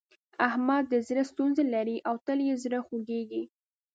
احمد د زړه ستونزې لري او تل يې زړه خوږېږي.